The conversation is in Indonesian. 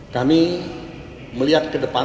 kami melihat ke depan